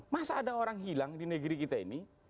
masa ada orang hilang di negeri kita ini